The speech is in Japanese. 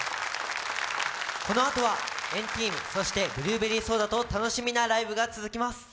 このあとは＆ＴＥＡＭそしてブルーベリーソーダと楽しみなライブが続きます。